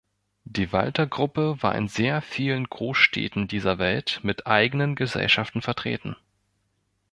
Die Walter-Gruppe war in sehr vielen Großstädten dieser Welt mit eigenen Gesellschaften vertreten.